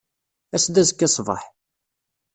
As-d azekka ṣṣbeḥ.